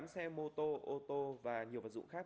một mươi tám xe mô tô ô tô và nhiều vật dụng khác